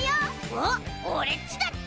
おっオレっちだって！